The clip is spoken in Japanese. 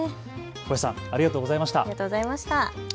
ホヤさんありがとうございました。